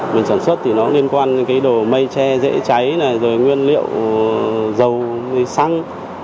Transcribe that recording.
nguyên sản xuất liên quan đến đồ mây che dễ cháy nguyên liệu dầu xăng